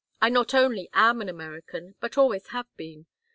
I not only am an American but always have been.